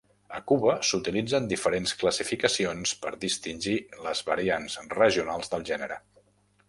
A Cuba, s'utilitzen diferents classificacions per distingir les variants regionals del gènere.